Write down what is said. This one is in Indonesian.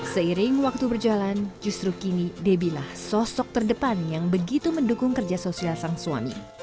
seiring waktu berjalan justru kini debbie lah sosok terdepan yang begitu mendukung kerja sosial sang suami